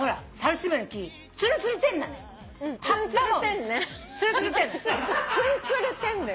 つんつるてんだよ。